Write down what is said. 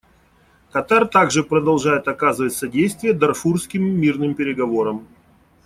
Катар также продолжает оказывать содействие дарфурским мирным переговорам.